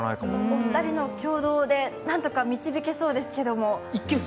お二人の共同で何とか導けそうですけれども。